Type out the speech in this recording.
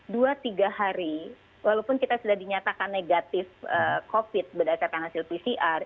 dua tiga hari walaupun kita sudah dinyatakan negatif covid berdasarkan hasil pcr